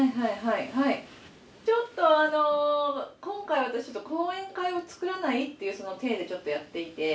ちょっとあの今回私後援会を作らないっていう体でちょっとやっていて。